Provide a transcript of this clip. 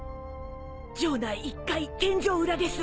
城内１階天井裏です。